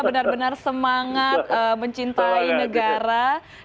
benar benar semangat mencintai negara dan juga berpartisipasi dalam perayaan hari umum